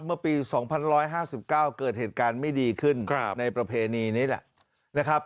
เมื่อปี๒๕๕๙เกิดเหตุการณ์ไม่ดีขึ้นในประเพณีนี้แหละนะครับ